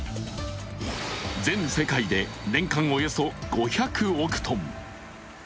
全世界で年間およそ５００億トン。